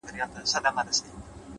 اراده د لارې خنډونه کوچني کوي؛